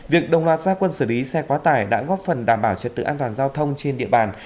việc đồng loạt gia quân xử lý xe quá tải đã góp phần đảm bảo trật tự an toàn giao thông trên địa bàn